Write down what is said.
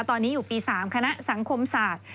ตอนนี้อยู่ปี๓คณะสังคมศาสตร์